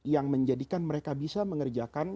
yang menjadikan mereka bisa mengerjakan